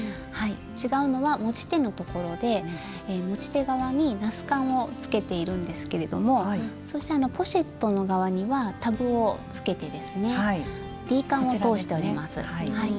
違うのは持ち手のところで持ち手側にナスカンをつけているんですけれどもそしてポシェットの側にはタブをつけてですねＤカンを通してあります。